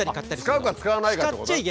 使うか使わないかってこと？